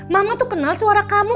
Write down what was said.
mama tuh kenal suara kamu